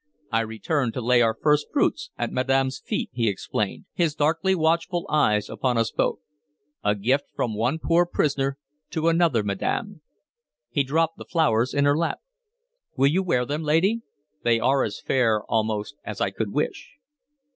"I returned to lay our first fruits at madam's feet," he explained, his darkly watchful eyes upon us both. "A gift from one poor prisoner to another, madam." He dropped the flowers in her lap. "Will you wear them, lady? They are as fair almost as I could wish."